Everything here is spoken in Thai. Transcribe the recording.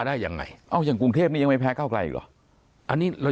ได้ยังไงเอ้าอย่างกรุงเทพนี้ยังไม่แพ้เก้าไกลอีกหรออันนี้เรา